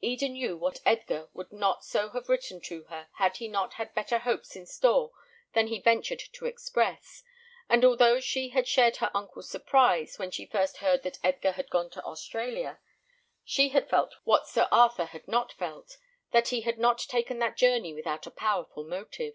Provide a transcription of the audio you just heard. Eda knew that Edgar would not so have written to her had he not had better hopes in store than he ventured to express; and although she had shared her uncle's surprise when she first heard that Edgar had gone to Australia, she had felt what Sir Arthur had not felt: that he had not taken that journey without a powerful motive.